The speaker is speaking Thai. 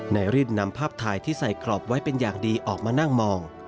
นายรินนำภาพถ่ายที่ใส่กรอบไว้เป็นอย่างดีออกมานั่งมอง